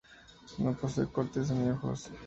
No posee corteza ni ojos.